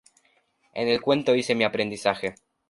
En el cuento hice mi aprendizaje.